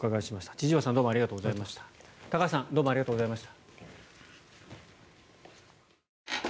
千々岩さん、高橋さんどうもありがとうございました。